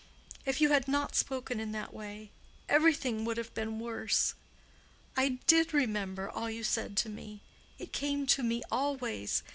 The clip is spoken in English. If you had not spoken in that way, everything would have been worse. I did remember all you said to me. It came to me always.